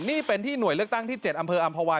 นี่เป็นที่หน่วยเลือกตั้งที่๗อำเภออำภาวา